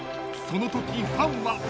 ［そのときファンは］